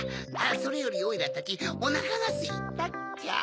それよりオイラたちおなかがすいたっちゃ。